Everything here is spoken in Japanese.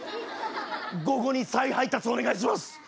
午後に再配達お願いします。